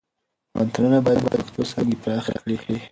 پوهنتونونه باید د پښتو څانګې پراخې کړي.